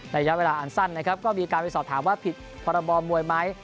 ระยะเวลาอันสั้นนะครับก็มีการไปสอบถามว่าผิดพรบมวยไหม